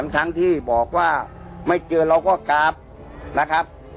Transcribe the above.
ทั้งที่บอกว่าไม่เจอเราก็กลับนะครับ